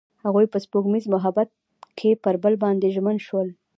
هغوی په سپوږمیز محبت کې پر بل باندې ژمن شول.